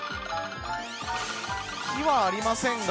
火はありませんが。